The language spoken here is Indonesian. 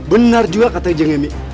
benar juga kata ijeng emy